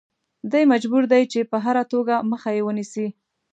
دی مجبور دی چې په هره توګه مخه یې ونیسي.